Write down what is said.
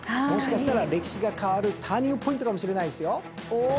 もしかしたら歴史が変わるターニングポイントかもしれないですよ。